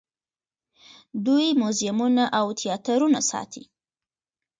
دوی موزیمونه او تیاترونه ساتي.